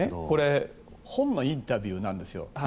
これは本のインタビューなんですよ。